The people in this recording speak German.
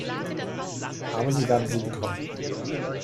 Aber Sie werden sie bekommen.